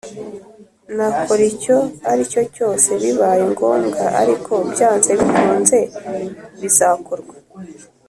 nakora icyo aricyo cyose bibaye ngombwa ariko byanze bikunze bizakorwa